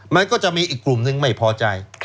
มันก็จะมีอีกกลุ่มนึงไม่พอใจ